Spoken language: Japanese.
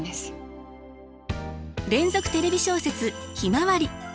連続テレビ小説「ひまわり」。